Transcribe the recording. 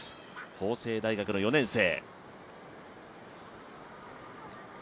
法政大学の４年生。